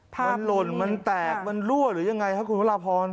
มันหล่นมันแตกมันรั่วหรือยังไงครับคุณพระราพร